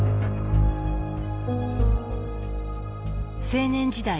青年時代